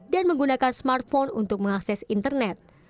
dan menggunakan smartphone untuk mengakses internet